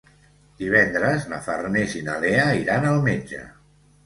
Divendres na Farners i na Lea iran al metge.